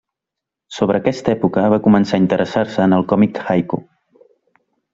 Sobre aquesta època va començar a interessar-se en el còmic haiku.